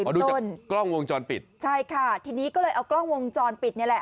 ดูจากกล้องวงจรปิดใช่ค่ะทีนี้ก็เลยเอากล้องวงจรปิดนี่แหละ